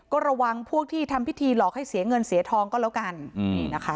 ก็ระวังพวกที่ทำพิธีหลอกให้เสียเงินเสียทองก็แล้วกันนี่นะคะ